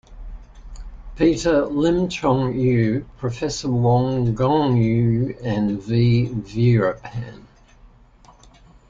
Peter, Lim Chong Eu, Professor Wang Gungwu, and V. Veerapan.